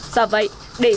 do vậy để tránh